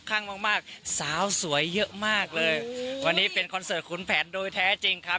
ข้างมากมากสาวสวยเยอะมากเลยวันนี้เป็นคอนเสิร์ตขุนแผนโดยแท้จริงครับ